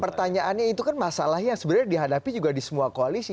pertanyaannya itu kan masalah yang sebenarnya dihadapi juga di semua koalisi